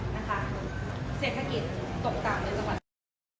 เศรษฐกิจตกตามในสวัสดี